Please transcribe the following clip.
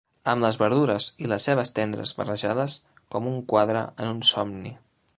Amb les verdures i les cebes tendres barrejades com un quadre en un somni.